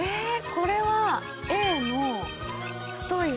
これはＡの太いほう。